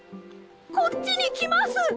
こっちにきます。